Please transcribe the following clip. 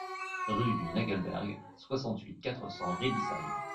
Rue du Naegeleberg, soixante-huit, quatre cents Riedisheim